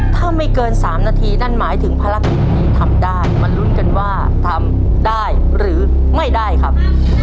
ถ้าไม่เกิน๓นาทีนั่นหมายถึงภารกิจนี้ทำได้มาลุ้นกันว่าทำได้หรือไม่ได้ครับ